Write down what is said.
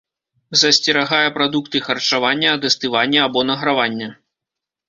Засцерагае прадукты харчавання ад астывання або награвання.